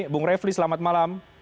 bung reflih selamat malam